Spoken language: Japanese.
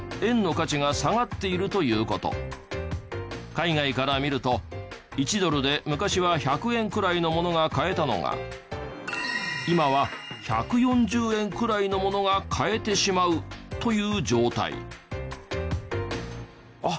海外から見ると１ドルで昔は１００円くらいのものが買えたのが今は１４０円くらいのものが買えてしまうという状態。